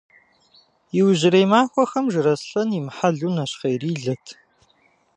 Иужьрей махуэхэм Жыраслъэн имыхьэлу нэщхъейрилэт.